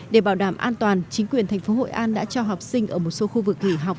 để bảo đảm an toàn chính quyền thành phố hội an đã cho học sinh ở một số khu vực nghỉ học